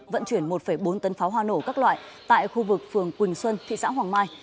vận chuyển một bốn tấn pháo hoa nổ các loại tại khu vực phường quỳnh xuân thị xã hoàng mai